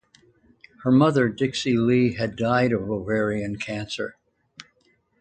His mother, Dixie Lee, had died of ovarian cancer.